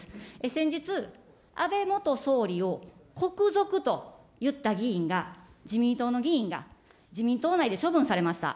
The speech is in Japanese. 先日、安倍元総理を国賊と言った議員が、自民党の議員が、自民党内で処分されました。